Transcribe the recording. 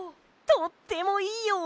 とってもいいよ！